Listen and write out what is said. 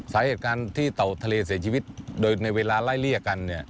สาเหตุการณ์ที่เตาทะเลเสียชีวิตโดยในเวลาไร้เรียกกัน